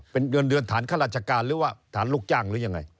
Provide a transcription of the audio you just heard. เป็นเงินเดือนฐานข้าราชการหรือว่าฐานลูกจ้างหรือยังไง